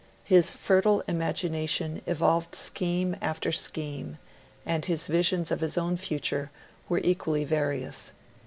His fertile imagination evolved scheme after scheme; and his visions of his own future were equally various.